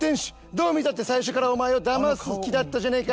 どう見たって最初からお前をだます気だったじゃねえか。